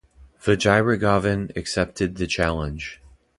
Vijayaraghavan accepted the challenge.